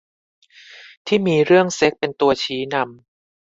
ที่มีเรื่องเซ็กส์เป็นตัวชี้นำ